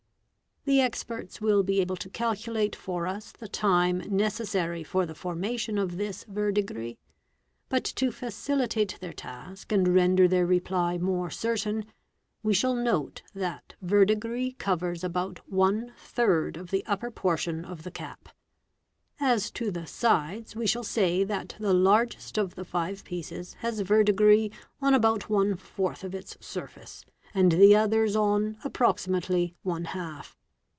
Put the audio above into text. The experts will be able to alculate for us the time necessary for the formation of this verdigris ; jut to facilitate their task and render their reply more certain, we shall Lote that verdigris covers about one third of the upper portion of the cap. As to the sides, we shall say that the largest of the five pieces has erdigris on about one fourth of its surface, and the others on, approxi nately, one half.